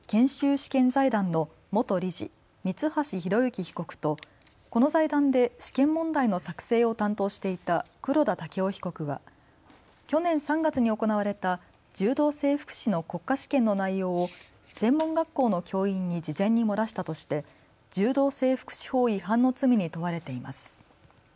試験財団の元理事、三橋裕之被告とこの財団で試験問題の作成を担当していた黒田剛生被告は去年３月に行われた柔道整復師の国家試験の内容を専門学校の教員に事前に漏らしたとして柔道整復師法違反の罪に問われています。